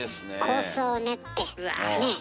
構想を練ってねえ？